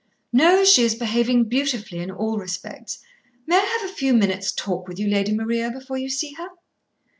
"No, she is behaving beautifully in all respects. May I have a few minutes' talk with you, Lady Maria, before you see her?"